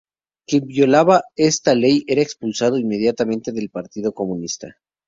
Quien violaba esta ley era expulsado inmediatamente del partido comunista.